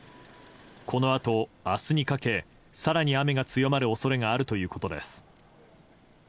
このあと、明日にかけ更に雨が強まる恐れがあるということです。